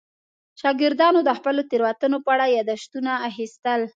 شاګردانو د خپلو تېروتنو په اړه یادښتونه اخیستل.